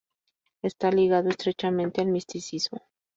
Está ligado estrechamente al misticismo.